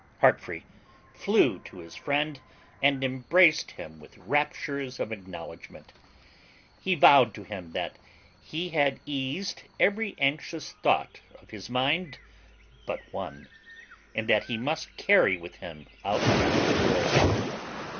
Heartfree flew to his friend, and embraced him with raptures of acknowledgment. He vowed to him that he had eased every anxious thought of his mind but one, and that he must carry with him out of the world.